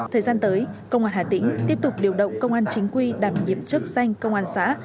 thời gian tới công an hà tĩnh tiếp tục điều động công an chính quy đảm nhiệm chức danh công an xã